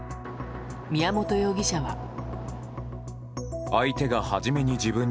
宮本容疑者は。